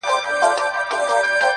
چي په شا یې وو خورجین چي پر ده بار وو -